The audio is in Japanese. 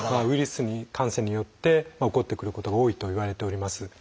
ウイルス感染によって起こってくることが多いといわれております。